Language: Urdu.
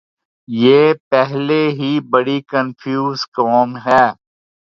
یہ پہلے ہی بڑی کنفیوز قوم ہے۔